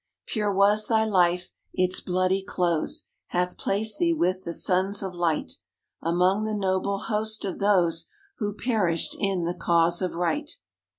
_ _Pure was thy life; its bloody close Hath placed thee with the sons of light, Among the noble host of those Who perished in the cause of Right.